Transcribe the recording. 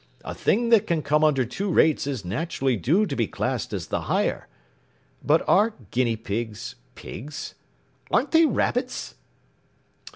A thing that can come under two rates is naturally due to be classed as the higher. But are guinea pigs, pigs? Aren't they rabbits?